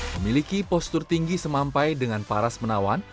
memiliki postur tinggi semampai dengan paras menawan